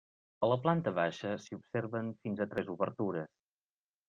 A la planta baixa s'hi observen fins a tres obertures.